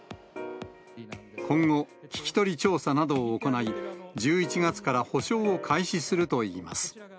今後、聞き取り調査などを行い、１１月から補償を開始するといいます。